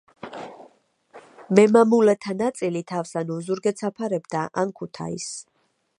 მემამულეთა ნაწილი თავს ან ოზურგეთს აფარებდა, ან ქუთაისს.